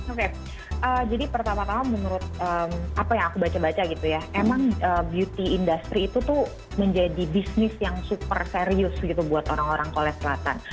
oke jadi pertama tama menurut apa yang aku baca baca gitu ya emang beauty industry itu tuh menjadi bisnis yang super serius gitu buat orang orang korea selatan